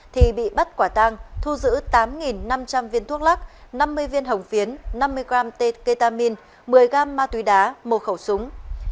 thì bị bắt quả tang thu giữ tám năm trăm linh viên thuốc lắc năm mươi viên hồng phiến năm mươi gram ketamine một mươi gam ma túy đá một khẩu súng